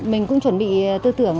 mình cũng chuẩn bị tư tưởng